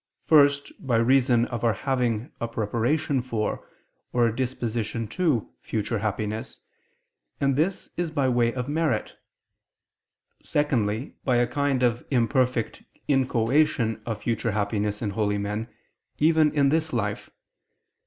First, by reason of our having a preparation for, or a disposition to future happiness; and this is by way of merit; secondly, by a kind of imperfect inchoation of future happiness in holy men, even in this life.